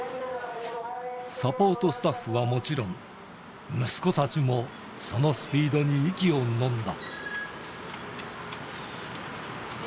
サポートスタッフはもちろん、息子たちもそのスピードに息をのんだ。